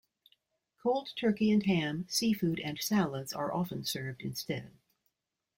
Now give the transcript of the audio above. Cold turkey and ham, seafood, and salads are often served instead.